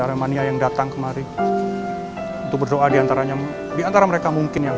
aremania yang datang kemari untuk berdoa diantaranya diantara mereka mungkin yang